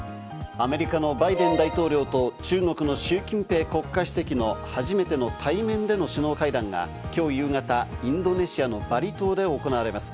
アメリカのバイデン大統領と中国のシュウ・キンペイ国家主席の初めての対面での首脳会談が今日夕方、インドネシアのバリ島で行われます。